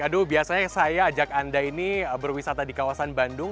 aduh biasanya saya ajak anda ini berwisata di kawasan bandung